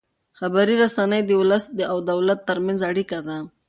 خبري رسنۍ د ولس او دولت ترمنځ اړیکه ده.